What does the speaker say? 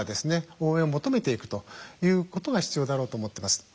応援を求めていくということが必要だろうと思ってます。